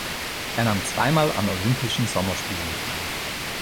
Er nahm zweimal an Olympischen Sommerspielen teil.